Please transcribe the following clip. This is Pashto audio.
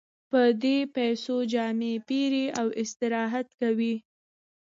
په دې پیسو جامې پېري او استراحت کوي